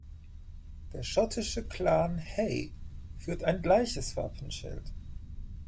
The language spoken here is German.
Der schottische Clan Hay führt ein gleiches Wappenschild.